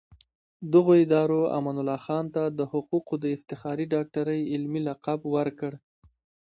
دغو ادارو امان الله خان ته د حقوقو د افتخاري ډاکټرۍ علمي لقب ورکړ.